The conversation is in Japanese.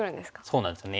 そうなんですよね。